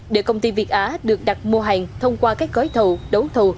để công ty việt á được đặt mua hàng thông qua các gói thầu đấu thầu